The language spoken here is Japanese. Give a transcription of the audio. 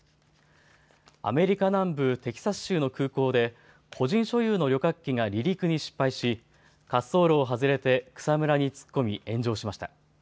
アメリカ南部テキサス州の空港で個人所有の旅客機が離陸に失敗し滑走路を外れて草むらに突っ込み炎上しました。